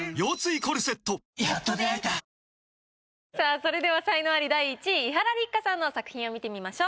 それでは才能アリ第１位伊原六花さんの作品を見てみましょう。